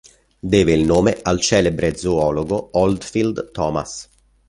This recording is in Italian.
Deve il nome al celebre zoologo Oldfield Thomas.